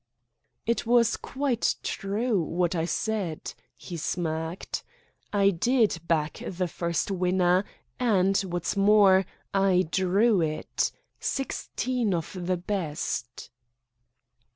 "It was quite true what I said," he smirked. "I did back the first winner, and, what's more, I drew it sixteen of the best."